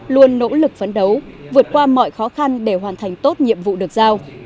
luôn nỗ lực phấn đấu vượt qua mọi khó khăn để hoàn thành tốt nhiệm vụ được giao